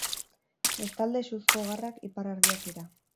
Bestalde, suzko garrak ipar argiak dira.